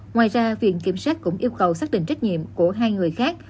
ngoài ra viện kiểm sát cũng yêu cầu xác định trách nhiệm của hai người khác